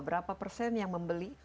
berapa persen yang membeli